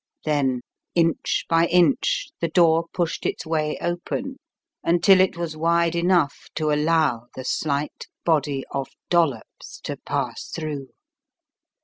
Then inch by inch the door pushed its way open until it was wide enough to allow the slight body of Dollops to pass through.